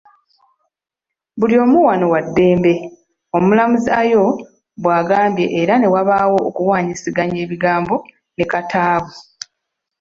“Buli omu wano wa ddembe,” Omulamuzi Ayo bw’agambye era ne wabaawo okuwanyisiganya ebigambo ne Kataabu.